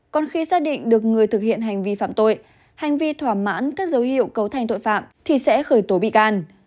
còn khi xác định được người thực hiện hành vi phạm tội hành vi thỏa mãn các dấu hiệu cấu thành tội phạm thì sẽ khởi tố bị can